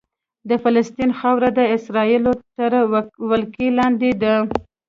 د فلسطین خاوره د اسرائیلو تر ولکې لاندې ده.